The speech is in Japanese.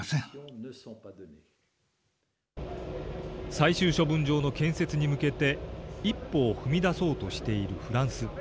最終処分場の建設に向けて、一歩を踏み出そうとしているフランス。